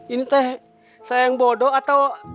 ini teh saya yang bodoh atau